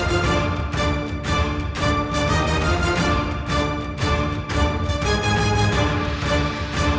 kenapa si mawar bodas ini bisa muak